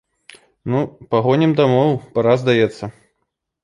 Ну, пагонім дамоў, пара, здаецца.